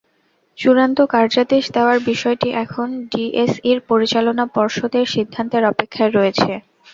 চূড়ান্ত কার্যাদেশ দেওয়ার বিষয়টি এখন ডিএসইর পরিচালনা পর্ষদের সিদ্ধান্তের অপেক্ষায় রয়েছে।